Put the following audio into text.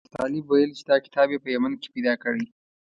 ابوطالب ویل چې دا کتاب یې په یمن کې پیدا کړی.